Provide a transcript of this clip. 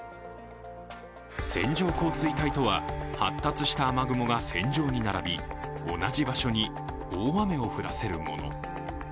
線状降水帯とは、発達した雨雲が線状に並び、同じ場所に大雨を降らせるもの。